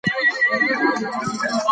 په پرانیستو سترګو لیدل کېدای شي.